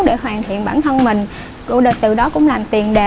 và bản thân mình từ đó cũng làm tiền đề